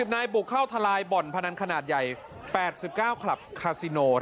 นายบุกเข้าทลายบ่อนพนันขนาดใหญ่๘๙คลับคาซิโน